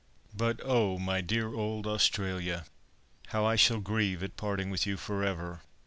But, oh! my dear old Australia! how I shall grieve at parting with you for ever!"